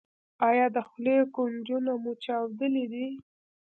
ایا د خولې کنجونه مو چاودلي دي؟